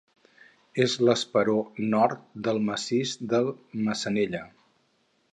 És l'esperó nord del massís del Massanella.